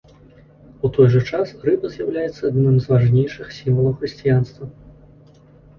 У той жа час рыба з'яўляецца адным з важнейшых сімвалаў хрысціянства.